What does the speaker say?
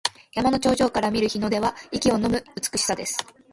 山の頂上から見る日の出は息をのむ美しさです。